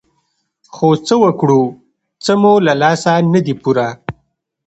خو څه وکړو څه مو له لاسه نه دي پوره.